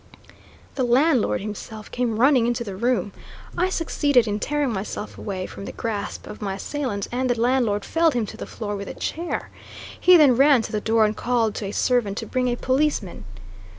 The landlord himself came running into the room; I succeeded in tearing myself away, from the grasp of my assailant, and the landlord felled him to the floor with a chair. He then ran to the door and called to a servant to bring a policeman.